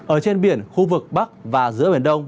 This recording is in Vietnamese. ở trên biển khu vực bắc và giữa biển đông